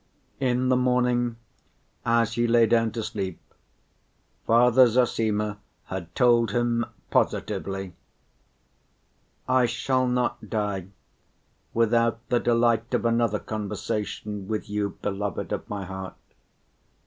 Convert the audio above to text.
In the morning as he lay down to sleep, Father Zossima had told him positively: "I shall not die without the delight of another conversation with you, beloved of my heart.